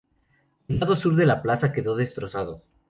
El lado sur de la Plaza quedó destrozado.